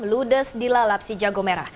ludes di lalapsi jagomera